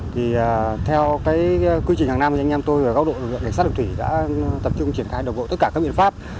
thì theo cái quy trình hàng năm thì anh em tôi ở góc độ lực lượng cảnh sát đường thủy đã tập trung triển khai đồng bộ tất cả các biện pháp